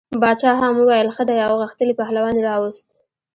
باچا هم وویل ښه دی او غښتلی پهلوان یې راووست.